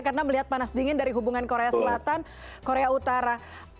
karena melihat panas dingin dari hubungan korea selatan korea utara